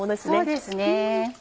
そうですね。